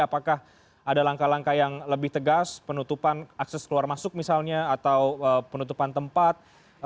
apakah ada langkah langkah yang lebih tegas penutupan akses keluar masuk misalnya atau penutupan tempat